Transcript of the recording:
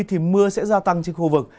thì mưa sẽ gia tăng trên khu vực